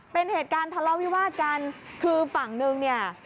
เป็นเหตุการณ์ทะเลาวิวาสกันคือฝั่งนึงเนี่ย